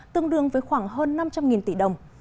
tương đương với khoảng hơn năm trăm linh tỷ đồng